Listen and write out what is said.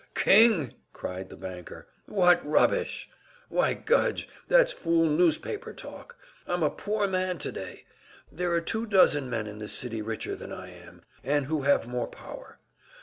"King!" cried the banker. "What rubbish! Why, Gudge, that's fool newspaper talk! I'm a poor man today. There are two dozen men in this city richer than I am, and who have more power.